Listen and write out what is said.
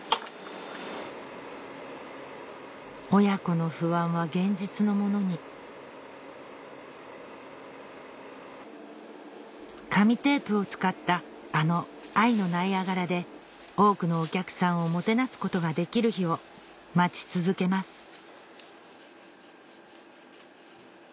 親子の不安は現実のものに紙テープを使ったあの「愛のナイアガラ」で多くのお客さんをもてなすことができる日を待ち続けます